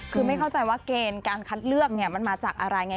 คือไม่เข้าใจว่าเกณฑ์การคัดเลือกมันมาจากอะไรไง